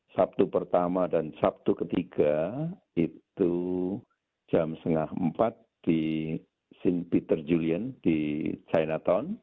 sabtu pertama dan sabtu ketiga itu jam setengah empat di shin peter julian di chinatown